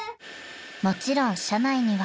［もちろん社内には］